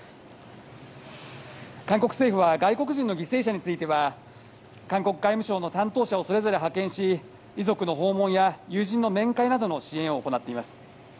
韓国政府は外国人の犠牲者については韓国外務省の担当者をそれぞれ派遣し遺族の訪問や友人の面会などの支援を行っています。